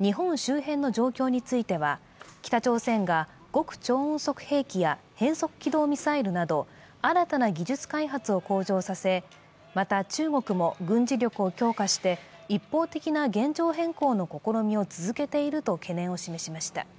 日本周辺の状況については、北朝鮮が極超音速兵器や変速軌道ミサイルなど、新たな技術開発を向上させまた中国も軍事力を強化して、一方的な現状変更の試みを続けていると懸念を示しました。